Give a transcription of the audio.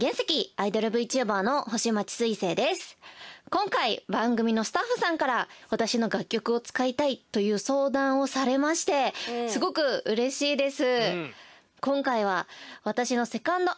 今回番組のスタッフさんから私の楽曲を使いたいという相談をされましてすごくうれしいです。